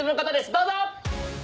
どうぞ！